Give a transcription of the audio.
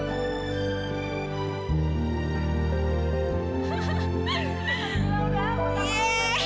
udah udah aku takut